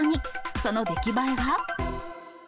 その出来栄えは？